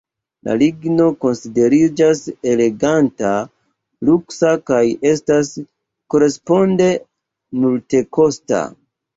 La ligno konsideriĝas eleganta, luksa kaj estas koresponde multekosta.